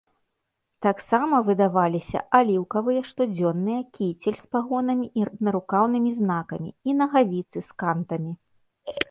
Таксама выдаваліся аліўкавыя штодзённыя кіцель з пагонамі і нарукаўнымі знакамі і нагавіцы з кантамі.